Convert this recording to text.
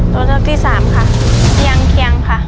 ตัวเลือกที่สามค่ะเตียงเคียงค่ะ